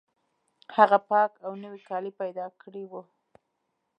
هغه پاک او نوي کالي پیدا کړي وو